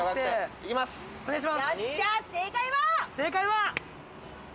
正解は。